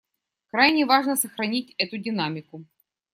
Крайне важно сохранить эту динамику.